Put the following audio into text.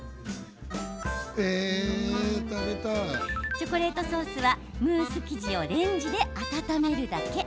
チョコレートソースはムース生地をレンジで温めるだけ。